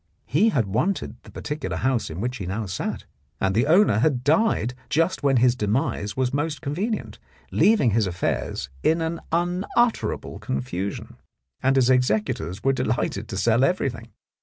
He had wanted the particular house in which he now sat, and the owner had died just when his demise was most convenient, leaving his affairs in unutterable confusion, and his executors were delighted to sell everything.